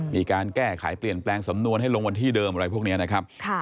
มีการแก้ไขเปลี่ยนแปลงสำนวนให้ลงวันที่เดิมอะไรพวกนี้นะครับ